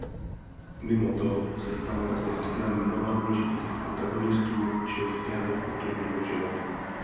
Mimo to se stala také sídlem mnoha důležitých protagonistů chilského kulturního života.